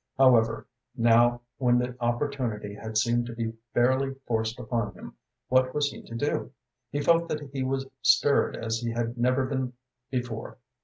However, now when the opportunity had seemed to be fairly forced upon him, what was he to do? He felt that he was stirred as he had never been before.